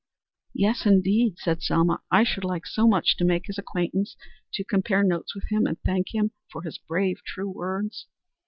"Yes, indeed," said Selma. "I should like so much to make his acquaintance, to compare notes with him and thank him for his brave, true words."